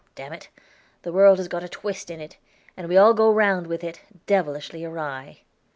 "Damn it! the world has got a twist in it, and we all go round with it, devilishly awry."